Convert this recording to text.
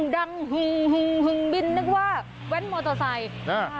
ดังหึงหึงหึงบินนึกว่าแว้นมอเตอร์ไซค์อ่า